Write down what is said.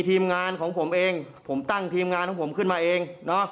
ทีมงานของผมเองผมตั้งทีมงานของผมขึ้นมาเองเนอะ